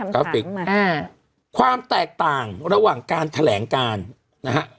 ราฟิกมากความแตกต่างระหว่างการแถลงการนะฮะ